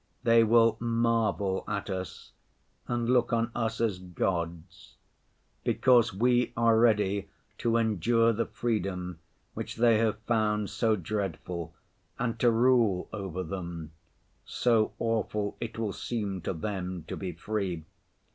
They will marvel at us and look on us as gods, because we are ready to endure the freedom which they have found so dreadful and to rule over them—so awful it will seem to them to be free.